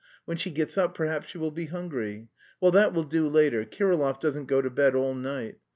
When she gets up perhaps she will be hungry.... Well, that will do later: Kirillov doesn't go to bed all night.